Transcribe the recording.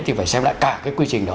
thì phải xem lại cả cái quy trình đó